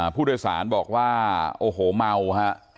ผู้โดยสารบอกว่าโอ้โหเมาฮะ